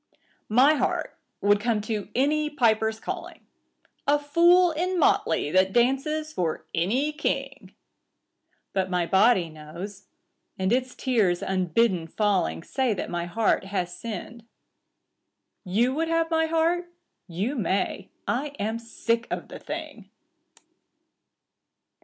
My heart would come to any piper's calling — A fool in motley that dances for any king; But my body knows, and its tears unbidden falling Say that my heart has sinned. You would have my heart? You may. I am sick of the thing.